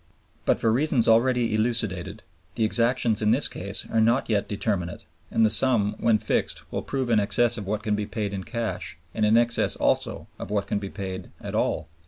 But for reasons already elucidated, the exactions in this case are not yet determinate, and the sum when fixed will prove in excess of what can be paid in cash and in excess also of what can be paid at all.